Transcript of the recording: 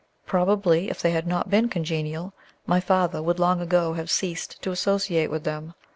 Probably if they had not been congenial, my father would long ago have ceased to associate with them.